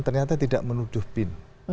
ternyata tidak menuduh pin